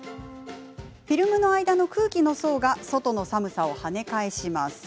フィルムの間の空気の層が外の寒さを跳ね返します。